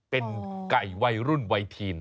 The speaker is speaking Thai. เป็นไก่วัยรุ่นไวทีน